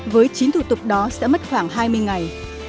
một mươi với chín thủ tục đó sẽ mất khoảng hai mươi ngày